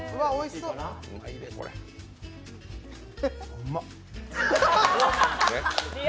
うんまっ。